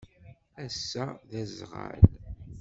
Assa d azɣal